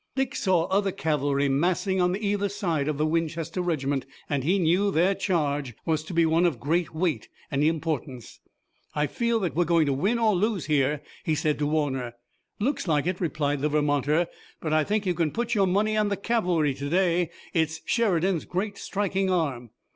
Dick saw other cavalry massing on either side of the Winchester regiment, and he knew their charge was to be one of great weight and importance. "I feel that we're going to win or lose here," he said to Warner. "Looks like it," replied the Vermonter, "but I think you can put your money on the cavalry today. It's Sheridan's great striking arm."